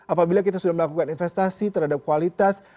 apabila kita sudah melakukan investasi terhadap kualitas